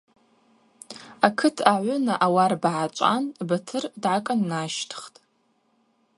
Акыт агӏвына ауарба гӏачӏван Батыр дгӏакӏыннащтхтӏ.